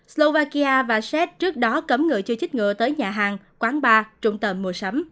slovakia và czech trước đó cấm người chưa chích ngừa tới nhà hàng quán bar trung tâm mùa sắm